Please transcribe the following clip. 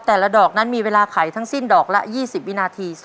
แต่ละดอกนั้นมีเวลาไขทั้งสิ้นดอกละ๒๐วินาที